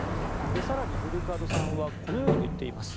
更にフルカドさんはこのようにも言っています。